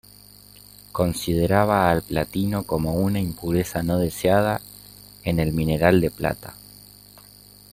Consideraban al platino como una impureza no deseada en el mineral de plata.